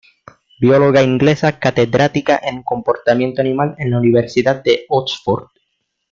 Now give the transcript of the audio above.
Bióloga inglesa, catedrática en comportamiento animal en la Universidad de Oxford.